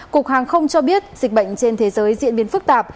cục hàng không cho biết dịch bệnh trên thế giới diễn biến phức tạp